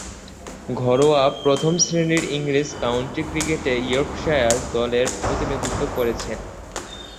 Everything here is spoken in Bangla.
ঘরোয়া প্রথম-শ্রেণীর ইংরেজ কাউন্টি ক্রিকেটে ইয়র্কশায়ার দলের প্রতিনিধিত্ব করেছেন।